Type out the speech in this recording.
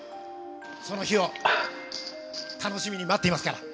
その日を楽しみに待っていますから。